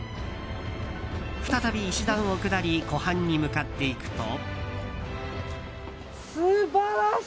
再び石段を下り湖畔に向かっていくと。